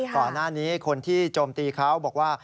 ก่อนหน้านี้คนที่โจมตีเขาบอกว่า